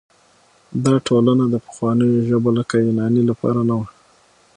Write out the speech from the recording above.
دا ټولنه د پخوانیو ژبو لکه یوناني لپاره نه وه.